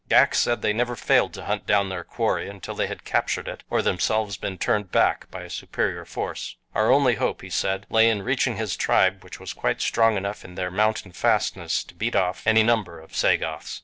Ghak said they never failed to hunt down their quarry until they had captured it or themselves been turned back by a superior force. Our only hope, he said, lay in reaching his tribe which was quite strong enough in their mountain fastness to beat off any number of Sagoths.